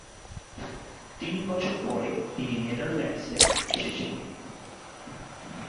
তিন বছর পরে তিনি নেদারল্যান্ডসে এসেছিলেন।